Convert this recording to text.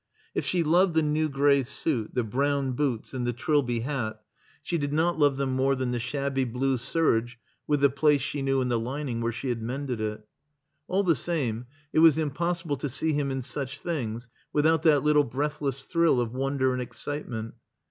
If she loved the new gray suit, the brown boots, and the Trilby hat, she did not love them more than the shabby blue serge with the place she knew in the lining where she had mended it. All the same, it was impossible to see him in such things without that little breathless thrill of wonder and excitement.